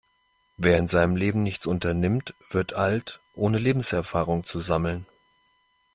Wer in seinem Leben nichts unternimmt, wird alt, ohne Lebenserfahrung zu sammeln.